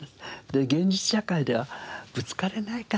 現実社会ではぶつかれないからなかなか。